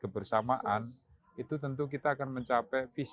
tetapkan sesuai keinginan dan monastery kita di bidangnya adalah wilayah komunitas untuk